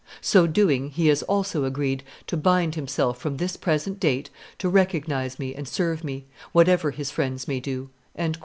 So doing, he has also agreed to bind himself from this present date to recognize me and serve me, whatever his friends may do."